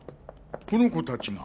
この子たちが。